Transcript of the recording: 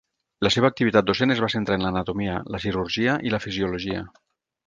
La seva activitat docent es va centrar en l'anatomia, la cirurgia i la fisiologia.